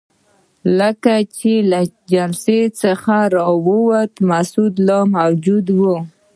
کله چې له جلسې څخه راووتو مسعود لا موجود وو.